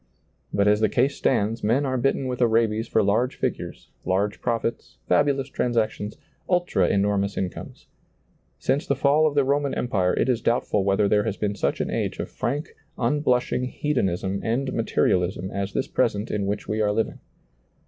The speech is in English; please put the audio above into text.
But as the case stands men are bitten with a rabies for large figures, large profits, fabu lous transactions, ultra enormous incomes. Since the fall of the Roman empire it is doubtful whether there has been such an age of frank, unblushing hedonism and materialism as this present in which we are living.